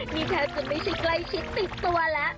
นี่แทบจะไม่ใช่ใกล้ชิดติดตัวแล้ว